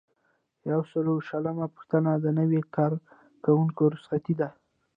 یو سل او شلمه پوښتنه د نوي کارکوونکي رخصتي ده.